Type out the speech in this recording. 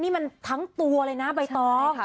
นี่มันทั้งตัวเลยนะใบตอง